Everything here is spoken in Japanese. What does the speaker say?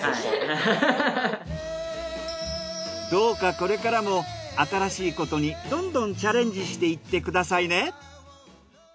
どうかこれからも新しいことにどんどんチャレンジしていってくださいね。